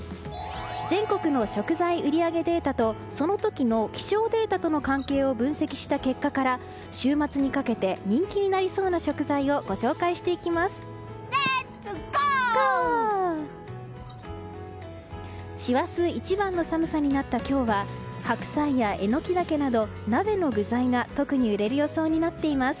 全国の食材売り上げデータとその時の気象データとの関係を分析した結果から週末にかけて人気になりそうな食材をご紹介していきます。